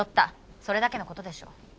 それだけの事でしょう。